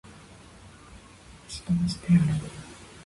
消し飛ばしてやる!